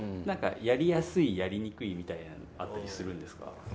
なんかやりやすいやりにくいみたいなのあったりするんですか？